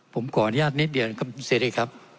ผมขออนุญาตนิดเดียวครับเสรีครับ